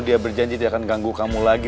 dia berjanji tidak akan ganggu kamu lagi